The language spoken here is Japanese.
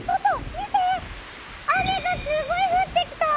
雨がすごい降ってきた！